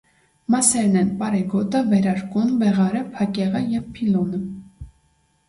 Մասերն են՝ պարեգոտը, վերարկուն, վեղարը, փակեղը և փիլոնը։